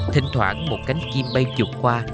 thỉnh thoảng một cánh chim bay chụp qua